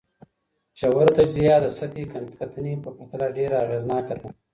ژوره تجزیه د سطحي کتنې په پرتله ډېره اغېزناکه ده.